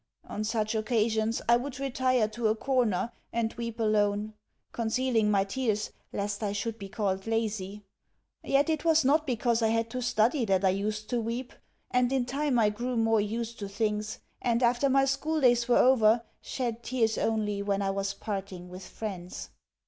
On such occasions I would retire to a corner and weep alone; concealing my tears lest I should be called lazy. Yet it was not because I had to study that I used to weep, and in time I grew more used to things, and, after my schooldays were over, shed tears only when I was parting with friends...